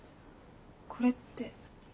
これって。